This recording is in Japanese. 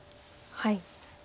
はい。